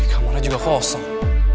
di kamarnya juga kosong